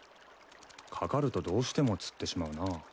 かかるとどうしても釣ってしまうな。